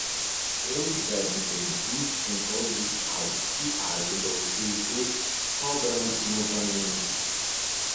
Eles devem permitir em todos os casos que haja dois veículos cobrando simultaneamente.